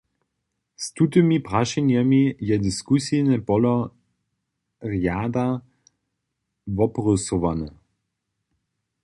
Z tutymi prašenjemi je diskusijne polo rjada wobrysowane.